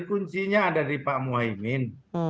kuncinya ada di pak muhaymin